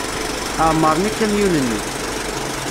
Ɛemmren akamyun-nni.